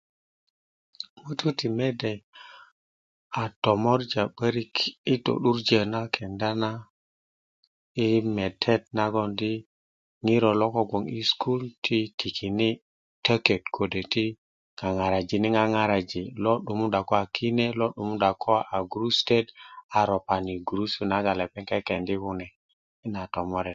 ŋutu ti mede a tomorja 'borik yi to'durjo na kenda na yi metet nagoŋ di ŋiro lo ko gbo yi school ti tikini tokit kode ti ŋaŋarajini ŋaŋaraji lo 'dumunda ko kine lo 'dumunda ko aa gurusitot a ropani gurusu nagan lepeŋ kekendi kune yina a tomoret